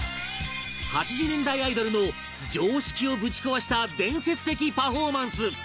８０年代アイドルの常識をぶち壊した伝説的パフォーマンス